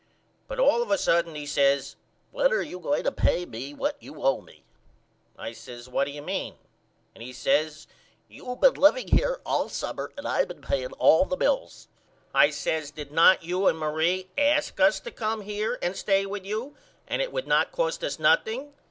But all of a sudden he says When are you going to pay me what you owe me? I says What do you mean? And he says You been living here all summer and I been paying all the bills. I says Did not you and Marie ask us to come here and stay with you and it would not cost us nothing.